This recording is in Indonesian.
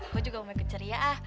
gue juga mau ikut ceria ah